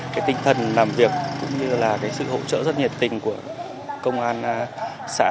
cái tinh thần làm việc cũng như là cái sự hỗ trợ rất nhiệt tình của công an xã